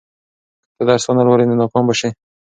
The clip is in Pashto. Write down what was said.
که ته درس ونه لولې، نو ناکام به شې.